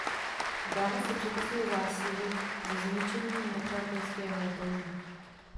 Dráha si připisuje zásluhy za zničení nepřátelského letounu.